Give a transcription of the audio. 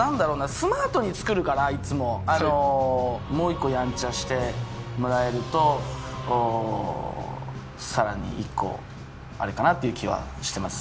スマートに作るからいつももう１個やんちゃしてもらえるとさらに１個あれかなっていう気はしてます